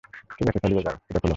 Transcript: ঠিক আছে, চালিয়ে যাও, এইটা খোল।